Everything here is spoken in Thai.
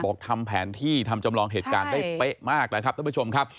ทำแผนที่ทำจำลองเหตุการณ์ได้เป๊ะมากนะครับท่านผู้ชมครับ